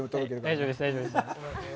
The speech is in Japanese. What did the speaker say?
大丈夫です、大丈夫です。